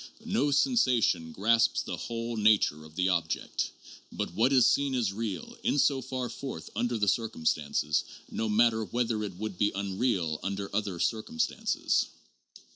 No sensation "grasps" the whole nature of the object. But what is seen is real in so far forth under the circumstances, no matter whether it would be unreal under other circumstances.